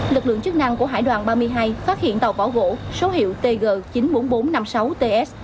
lực lượng chức năng của hải đoàn ba mươi hai phát hiện tàu vỏ gỗ số hiệu tg chín mươi bốn nghìn bốn trăm năm mươi sáu ts